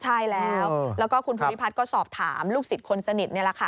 ใช่แล้วแล้วก็คุณภูริพัฒน์ก็สอบถามลูกศิษย์คนสนิทนี่แหละค่ะ